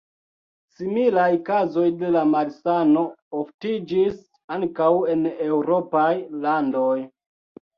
Similaj kazoj de la malsano oftiĝis ankaŭ en eŭropaj landoj.